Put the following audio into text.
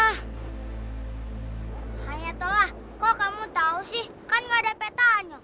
hanya tolak kok kamu tau sih kan gak ada petanya